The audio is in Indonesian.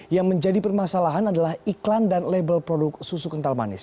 yang menjadi permasalahan adalah iklan dan label produk susu kental manis